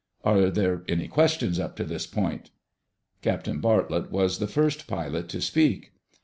"Are there any questions, up to this point?" Captain Bartlett was the first pilot to speak.